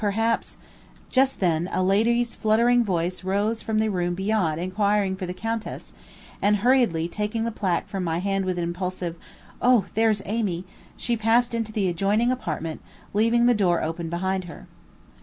"Perhaps " Just then a lady's fluttering voice rose from the room beyond inquiring for the Countess, and hurriedly taking the placque from my hand with an impulsive "O there's Amy," she passed into the adjoining apartment, leaving the door open behind her.